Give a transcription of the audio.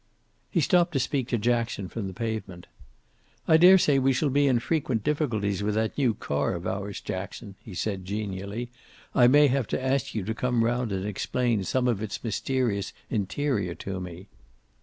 He stopped to speak to Jackson from the pavement. "I daresay we shall be in frequent difficulties with that new car of ours, Jackson," he said genially. "I may have to ask you to come round and explain some of its mysterious interior to me."